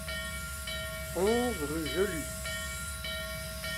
onze rue Jelu